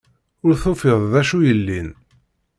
Ur tufiḍ d acu yellin.